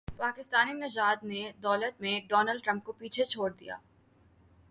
پاکستانی نژاد نے دولت میں ڈونلڈ ٹرمپ کو پیچھے چھوڑ دیا